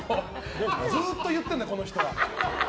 ずっと言ってるんだからこの人は。